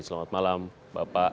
selamat malam bapak ibu